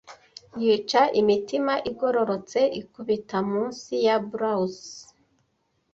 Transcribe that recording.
yica imitima igororotse ikubita munsi ya blouses